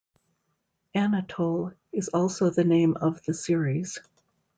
"Anatole" is also the name of the series.